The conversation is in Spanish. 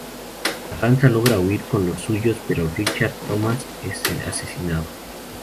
Carranza logra huir con los suyos pero Richard Thomas es asesinado.